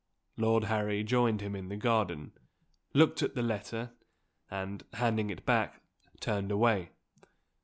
Lord Harry joined him in the garden looked at the letter and, handing it back, turned away.